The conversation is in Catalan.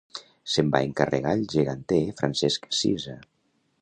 Se'n va encarregar el geganter Francesc Cisa.